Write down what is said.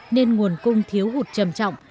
nên nguồn cung thiếu hụt trầm trọng